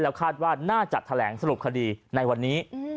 คาดว่าน่าจะแถลงสรุปคดีในวันนี้